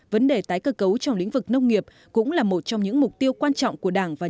vấn đề tái cơ cấu trong lĩnh vực nông nghiệp cũng là một trong những mục tiêu quan trọng của đảng và nhà